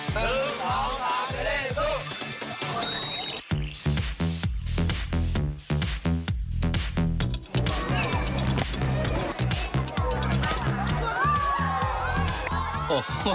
ไทรัชซื้อเผาสาเหตุเล่นสู้